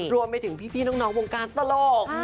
รวมไปถึงพี่น้องวงการตลก